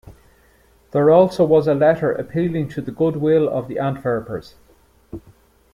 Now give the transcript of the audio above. There also was a letter appealing to the goodwill of the Antwerpers.